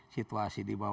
situasi di bawah itu